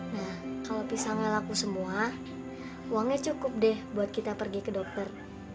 nah kalau pisangnya laku semua uangnya cukup deh buat kita pergi ke dokter